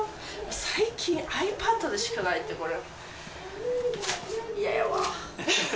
最近、ｉＰａｄで宿題って、これ。